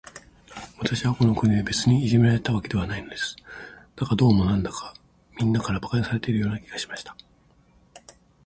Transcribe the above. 私はこの国で、別にいじめられたわけではないのです。だが、どうも、なんだか、みんなから馬鹿にされているような気がしました。